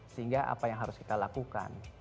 sehingga apa yang harus kita lakukan